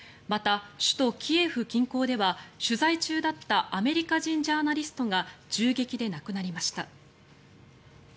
また、首都キエフ近郊では取材中だったアメリカ人ジャーナリストが銃撃で亡くなりました。